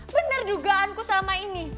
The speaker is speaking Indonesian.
bener dugaanku selama ini